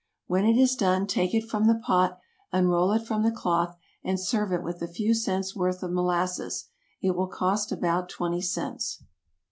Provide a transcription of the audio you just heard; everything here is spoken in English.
When it is done take it from the pot, unroll it from the cloth, and serve it with a few cents' worth of molasses; it will cost about twenty cents.